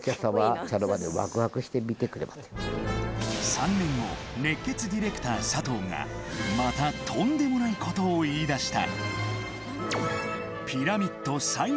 ３年後、熱血ディレクター佐藤が、またとんでもないことを言い出した。